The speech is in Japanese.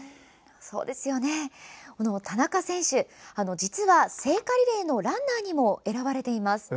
田中選手、実は聖火リレーのランナーにも選ばれています。